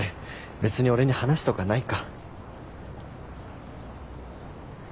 別に俺に話とかないか。